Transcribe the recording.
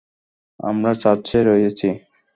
আমরা চার্চে রয়েছি।